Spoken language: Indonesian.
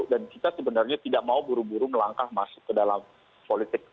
dan kita sebenarnya tidak mau buru buru melangkah masuk ke dalam politik